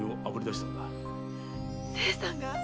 清さんが？